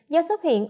do xuất hiện